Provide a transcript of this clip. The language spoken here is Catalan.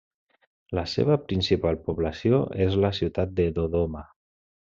La seva principal població és la ciutat de Dodoma.